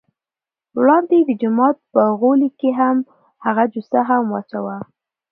وړاندې یې د جومات په غولي کې هغه جوسه کې واچوه.